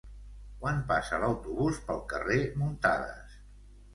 Quan passa l'autobús pel carrer Muntadas?